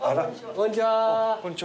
こんにちは。